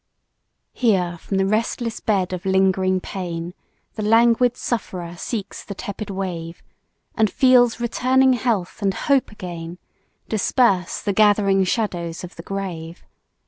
HERE from the restless bed of lingering pain The languid sufferer seeks the tepid wave, And feels returning health and hope again Disperse 'the gathering shadows of the grave!'